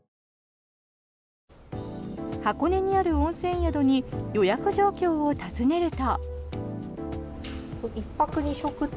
箱根にある温泉宿に予約状況を尋ねると。